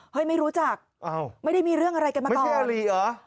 ไม่รู้จักไม่ได้มีเรื่องอะไรกันมาก่อนแค่อารีเหรอ